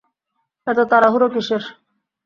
এত তাড়াহুড়া কীসের।